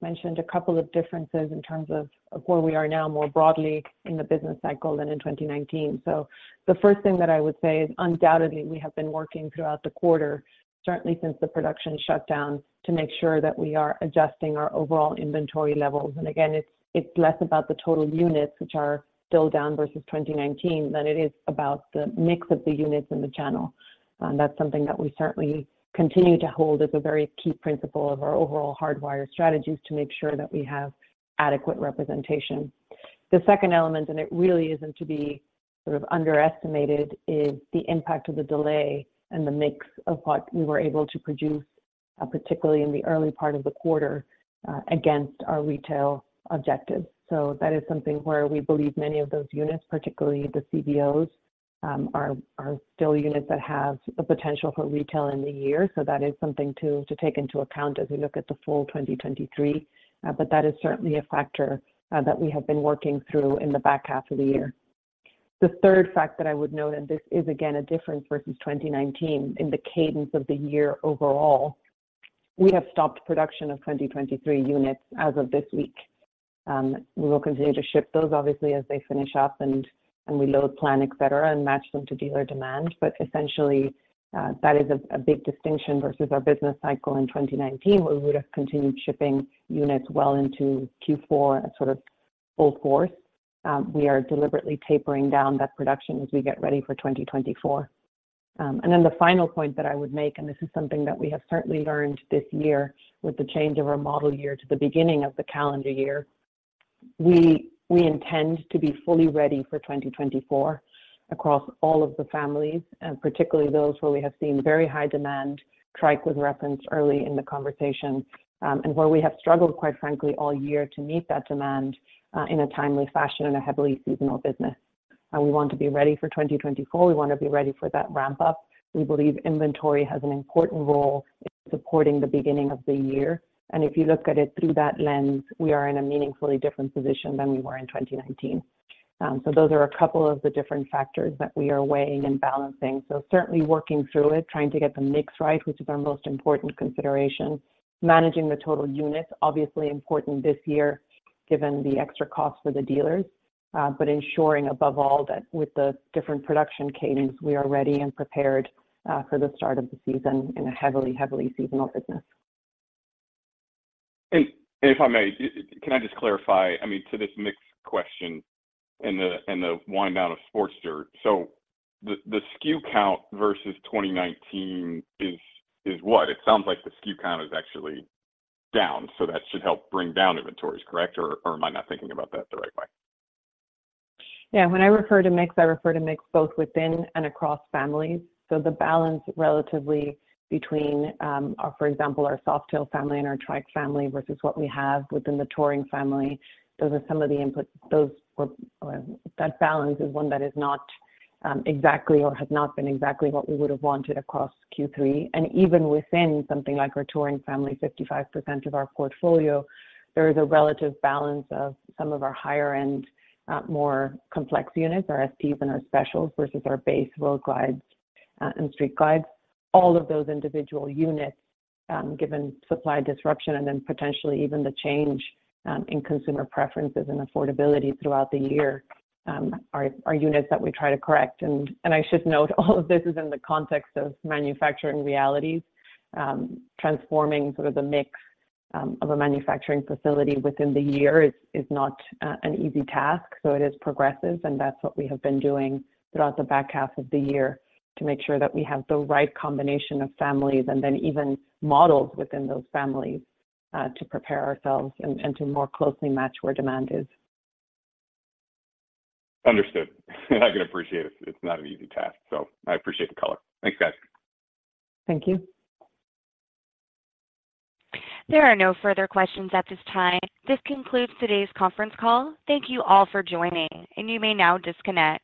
mentioned, a couple of differences in terms of where we are now, more broadly in the business cycle than in 2019. So the first thing that I would say is undoubtedly, we have been working throughout the quarter, certainly since the production shutdown, to make sure that we are adjusting our overall inventory levels. And again, it's less about the total units, which are still down versus 2019, than it is about the mix of the units in the channel. That's something that we certainly continue to hold as a very key principle of our overall Hardwire strategies to make sure that we have adequate representation. The second element, and it really isn't to be sort of underestimated, is the impact of the delay and the mix of what we were able to produce, particularly in the early part of the quarter, against our retail objectives. So that is something where we believe many of those units, particularly the CVOs, are still units that have the potential for retail in the year. So that is something to take into account as we look at the full 2023. But that is certainly a factor that we have been working through in the back half of the year. The third fact that I would note, and this is again, a difference versus 2019 in the cadence of the year overall, we have stopped production of 2023 units as of this week. We will continue to ship those, obviously, as they finish up and we load plan, etc., and match them to dealer demand. But essentially, that is a big distinction versus our business cycle in 2019, where we would have continued shipping units well into Q4 at sort of full force. We are deliberately tapering down that production as we get ready for 2024. And then the final point that I would make, and this is something that we have certainly learned this year with the change of our model year to the beginning of the calendar year, we intend to be fully ready for 2024 across all of the families, and particularly those where we have seen very high demand, Trike with reference early in the conversation, and where we have struggled, quite frankly, all year to meet that demand, in a timely fashion in a heavily seasonal business. We want to be ready for 2024. We want to be ready for that ramp up. We believe inventory has an important role in supporting the beginning of the year, and if you look at it through that lens, we are in a meaningfully different position than we were in 2019. So those are a couple of the different factors that we are weighing and balancing. So certainly working through it, trying to get the mix right, which is our most important consideration. Managing the total units, obviously important this year, given the extra cost for the dealers, but ensuring above all, that with the different production cadence, we are ready and prepared, for the start of the season in a heavily, heavily seasonal business. If I may, can I just clarify? I mean, to this mix question and the wind down of Sportster. So the SKU count versus 2019 is what? It sounds like the SKU count is actually down, so that should help bring down inventories, correct? Or am I not thinking about that the right way? Yeah. When I refer to mix, I refer to mix both within and across families. So the balance relatively between, our, for example, our Softail family and our Trike family, versus what we have within the Touring family. Those are some of the inputs. That balance is one that is not exactly or has not been exactly what we would have wanted across Q3. And even within something like our Touring family, 55% of our portfolio, there is a relative balance of some of our higher end, more complex units, our STs and our specials, versus our base Road Glides and Street Glides. All of those individual units, given supply disruption and then potentially even the change in consumer preferences and affordability throughout the year, are units that we try to correct. I should note, all of this is in the context of manufacturing realities. Transforming sort of the mix of a manufacturing facility within the year is not an easy task. It is progressive, and that's what we have been doing throughout the back half of the year to make sure that we have the right combination of families, and then even models within those families, to prepare ourselves and to more closely match where demand is. Understood. I can appreciate it. It's not an easy task, so I appreciate the color. Thanks, guys. Thank you. There are no further questions at this time. This concludes today's conference call. Thank you all for joining, and you may now disconnect.